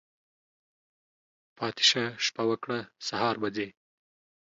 پاتی شه، شپه وکړه ، سهار به ځی.